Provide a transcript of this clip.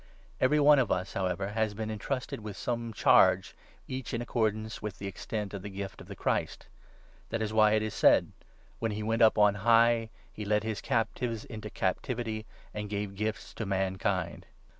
Every one of us, however, has been entrusted with 7 some charge, each in accordance with the extent of the gift of the Christ. That is why it is said — 8 ' When he went up on high, he led his captives into captivity, And gave gifts to mankind.'